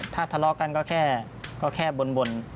ถ้าทะเลาะกันก็แค่บ่น